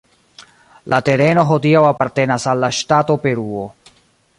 La tereno hodiaŭ apartenas al la ŝtato Peruo.